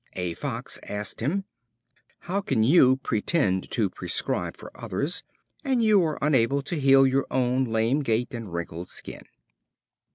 A Fox asked him: "How can you pretend to prescribe for others, and you are unable to heal your own lame gait and wrinkled skin?"